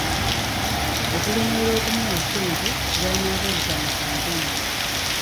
Okulemererwa okumuwa ssente zanaakozesa mu kkampeyini.